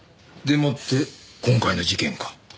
でもって今回の事件か。